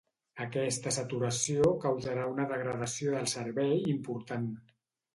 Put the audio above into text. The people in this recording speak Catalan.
Aquesta saturació causarà una degradació del servei important.